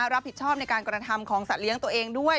รับผิดชอบในการกระทำของสัตว์เลี้ยงตัวเองด้วย